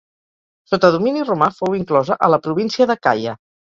Sota domini romà fou inclosa a la província d'Acaia.